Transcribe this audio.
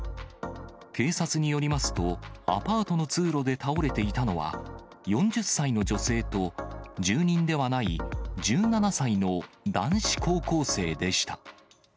警察によりますと、アパートの通路で倒れていたのは、４０歳の女性と、住人ではない１７歳の男子高校生でした。